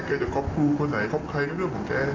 จะครอบครูคนไหนคบใครก็เรื่องของแก